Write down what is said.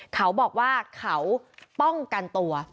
เขาบอกว่าเขาป้องกันตัว